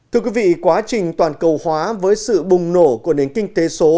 thưa quý vị quá trình toàn cầu hóa với sự bùng nổ của nền kinh tế số